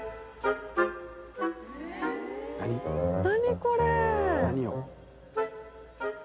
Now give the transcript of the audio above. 何これ？